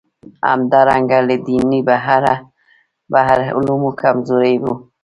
همدارنګه له دینه بهر علوم کمزوري وو.